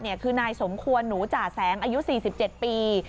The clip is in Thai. คือนายสมควรหนูจ่าแสงอายุ๔๗ปี